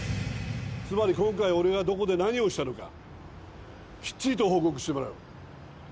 つまり今回俺がどこで何をしたのかきっちりと報告してもらう。